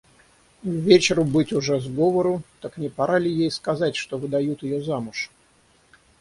Ввечеру быть уже сговору, так не пора ли ей сказать, что выдают ее замуж?